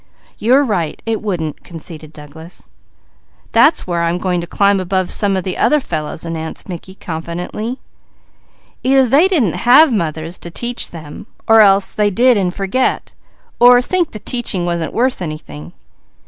"You are right, it wouldn't," conceded Douglas. "That's where I'm going to climb above some of the other fellows," announced Mickey confidently. "Either they didn't have mothers to teach them or else they did, and forget, or think the teaching wasn't worth anything.